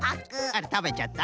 あらたべちゃった。